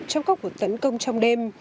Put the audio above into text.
trong các cuộc tấn công trong đêm